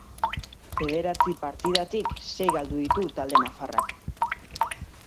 Bederatzi partidatik, sei galdu ditu talde nafarrak.